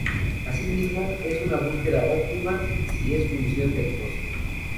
Así mismo, es una búsqueda óptima, si es función del coste.